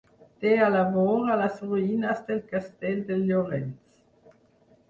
Té a la vora les ruïnes del castell de Llorenç.